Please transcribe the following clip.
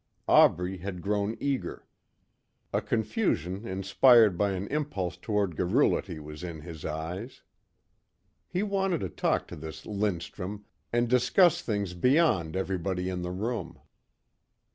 Aubrey had grown eager. A confusion inspired by an impulse toward garrulity was in his eyes. He wanted to talk to this Lindstrum and discuss things beyond everybody in the room.